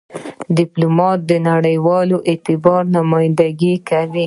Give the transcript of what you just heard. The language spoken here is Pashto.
ډيپلومات د نړېوال اعتبار نمایندګي کوي.